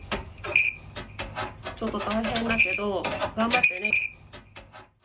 ちょっと大変だけど、頑張ってね。